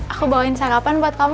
aku bawain sarapan buat kamu